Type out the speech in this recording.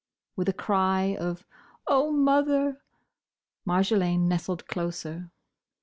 With a cry of "Oh, mother!" Marjolaine nestled closer.